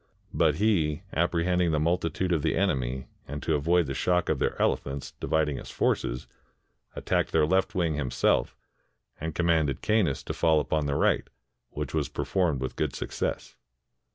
But he apprehending the multitude of the enemy, and to avoid the shock of their elephants, dividing his forces, attacked their left wing himself, and commanded Coenus to fall upon the right, which was performed with good success.